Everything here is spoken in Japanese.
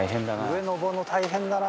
「上上るの大変だな」